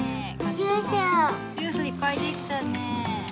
ジュースいっぱいできたねえ。